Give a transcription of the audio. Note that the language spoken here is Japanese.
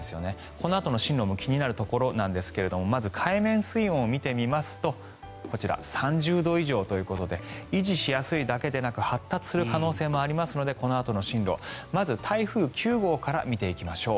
このあとの進路の気になるところですがまず海面水温を見てみますと３０度以上ということで維持しやすいだけでなく発達する可能性もありますのでこのあとの進路まず台風９号から見ていきましょう。